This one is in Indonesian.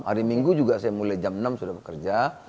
hari minggu juga saya mulai jam enam sudah bekerja